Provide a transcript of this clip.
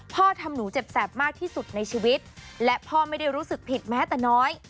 ทำหนูเจ็บแสบมากที่สุดในชีวิตและพ่อไม่ได้รู้สึกผิดแม้แต่น้อย